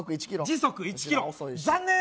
時速１キロ残念！